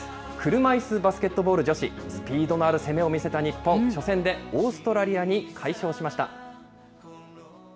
車いすバスケットボール女子、スピードのある攻めを見せた日本、初戦でオーストラリアに快勝しました。